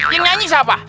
yang nyanyi siapa